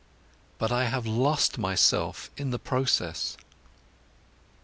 But I have lost myself in the process."